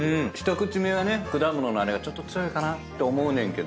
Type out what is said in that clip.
１口目は果物のあれがちょっと強いかなって思うねんけど